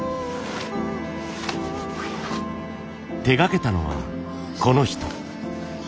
手がけたのはこの人。